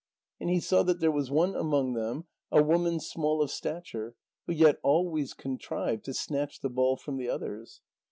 And he saw that there was one among them a woman small of stature, who yet always contrived to snatch the ball from the others.